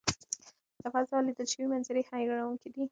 له فضا لیدل شوي منظرې حیرانوونکې دي.